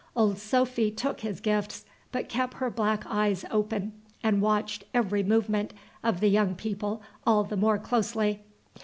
Old Sophy took his gifts, but kept her black eyes open and watched every movement of the young people all the more closely.